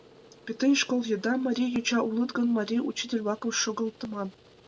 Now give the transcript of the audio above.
Пӱтынь школ еда, марий йоча улыт гын, марий учитель-влакым шогалтыман...